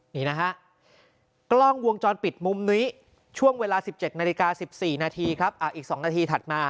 นี่นะครับกล้องวงจรปิดมุมนี้ช่วงเวลา๑๗นาฬิกา๑๔นาที